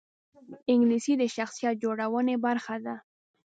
انګلیسي د شخصیت جوړونې برخه ده